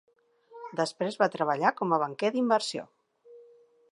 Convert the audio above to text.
Després va treballar com a banquer d'inversió.